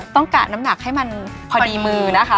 กะน้ำหนักให้มันพอดีมือนะคะ